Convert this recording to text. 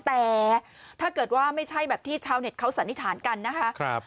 แต่ถ้าเกิดว่าไม่ใช่แบบที่ชาวเน็ตเขาสันนิษฐานกันนะคะ